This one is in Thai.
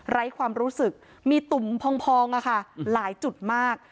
ไร้ความรู้สึกมีตุ๋มพองพองอ่ะค่ะหลายจุดมาก